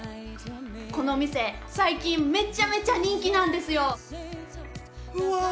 この店最近めちゃめちゃ人気なんですよ！